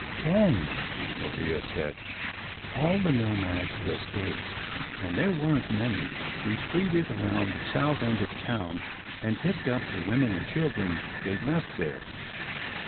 "Ken," Maria said, "all the nomads who escaped, and there weren't many, retreated around the south end of town and picked up the women and children they'd left there.